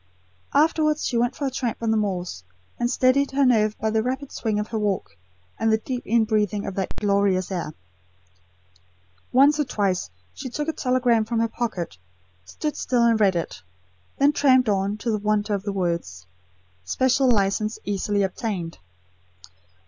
Afterwards she went for a tramp on the moors, and steadied her nerve by the rapid swing of her walk, and the deep inbreathing of that glorious air. Once or twice she took a telegram from her pocket, stood still and read it; then tramped on, to the wonder of the words: "Special license easily obtained."